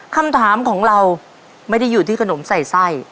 คำถามของเราไม่ได้อยู่ที่ขนมใส่ไส้